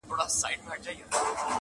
• دا وطن دعقابانو -